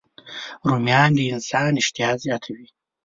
رومیان د انسان اشتها زیاتوي